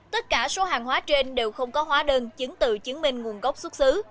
tất cả số hàng hóa trên đều không có hóa đơn chứng từ chứng minh nguồn gốc xuất xứ